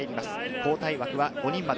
交代枠は５人まで。